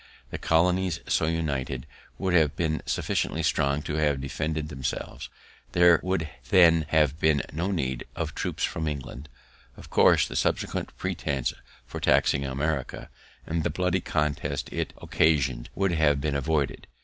The colonies, so united, would have been sufficiently strong to have defended themselves; there would then have been no need of troops from England; of course, the subsequent pretence for taxing America, and the bloody contest it occasioned, would have been avoided.